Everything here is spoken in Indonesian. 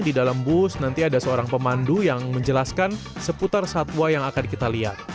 di dalam bus nanti ada seorang pemandu yang menjelaskan seputar satwa yang akan kita lihat